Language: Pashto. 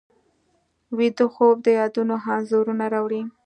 ویده خوب د یادونو انځورونه راوړي